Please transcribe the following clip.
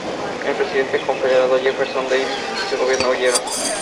El presidente confederado Jefferson Davis y su gobierno huyeron.